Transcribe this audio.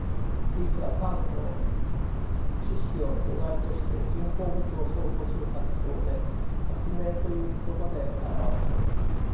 技術は科学の知識を土台として人工物を創造する活動で発明という言葉で表されます。